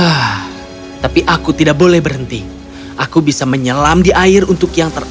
aku bisa menemukan ikan di istana dokter wazir sudah pergi tapi aku tidak boleh berhenti aku bisa menyelam di air untuk yang terakhir